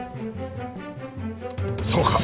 そうか。